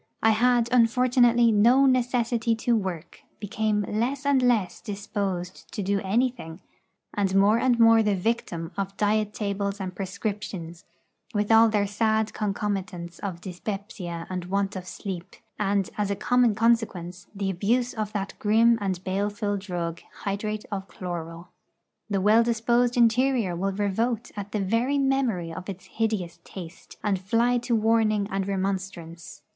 I had, unfortunately, no necessity to work, became less and less disposed to do anything, and more and more the victim of diet tables and prescriptions, with all their sad concomitants of dyspepsia and want of sleep, and, as a common consequence, the abuse of that grim and baleful drug, hydrate of chloral. The well disposed interior will revolt at the very memory of its hideous taste, and fly to warning and remonstrance.